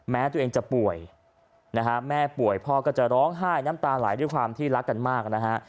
แม้ตัวเองจะป่วยนะฮะแม่ป่วยพ่อก็จะร้องไห้น้ำตาไหลด้วยความที่รักกันมากนะฮะ